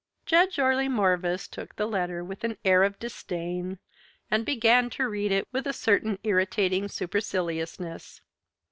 Judge Orley Morvis took the letter with an air of disdain and began to read it with a certain irritating superciliousness.